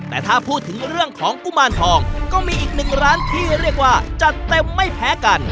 แต่ถ้าพูดถึงเรื่องของกุมารทองก็มีอีกหนึ่งร้านที่เรียกว่าจัดเต็มไม่แพ้กัน